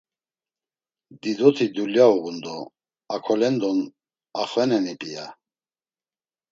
Didoti dulya uğun do akolendon axveneni p̌ia?